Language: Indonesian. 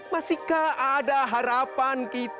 masihkah ada harapan kita